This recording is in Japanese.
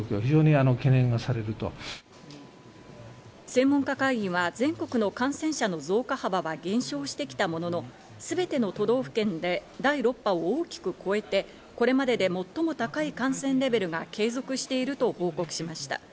専門家会議は全国の感染者の増加幅は減少してきたものの、すべての都道府県で第６波を大きく超えて、これまでで最も高い感染レベルが継続していると報告しました。